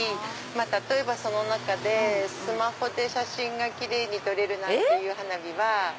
例えばその中で「スマホで写真がキレイにとれる」なんて花火は。